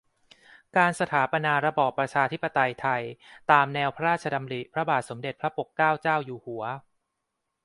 การสถาปนาระบอบประชาธิปไตยไทย ตามแนวพระราชดำริของพระบาทสมเด็จพระปกเกล้าเจ้าอยู่หัว